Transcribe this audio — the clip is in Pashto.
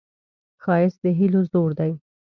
ښایست د هیلو زور دی